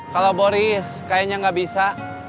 kalau boris kayaknya nggak bisa